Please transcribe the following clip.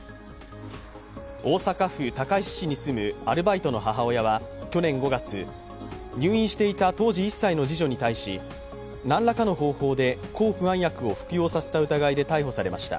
大阪府高石市に住むアルバイトの母親は去年５月、入院していた当時１歳の次女に対し、何らかの方法で抗不安薬を服用させた疑いで逮捕されました。